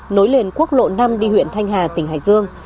nối liền quốc lộ năm đi huyện thanh hà tỉnh hải dương